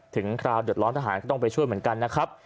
คราวเดือดร้อนทหารก็ต้องไปช่วยเหมือนกันนะครับ